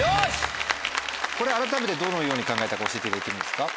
これ改めてどのように考えたか教えていただいてもいいですか？